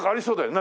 何？